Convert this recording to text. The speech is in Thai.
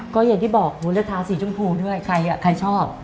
ก็อย่างที่บอกเลือกเท้าสีชมพูด้วยใครชอบ